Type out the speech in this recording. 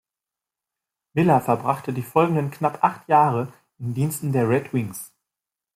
Miller verbrachte die folgenden knapp acht Jahre in Diensten der Red Wings.